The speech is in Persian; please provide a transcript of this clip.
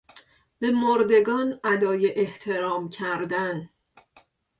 به مردگان ادای احترام کردن